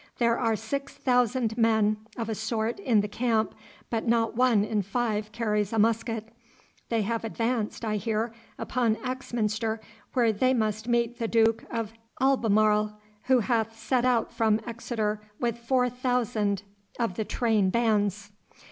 There are six thousand men of a sort in the camp, but not one in five carries a musket. They have advanced, I hear, upon Axminster, where they must meet the Duke of Albemarle, who hath set out from Exeter with four thousand of the train bands.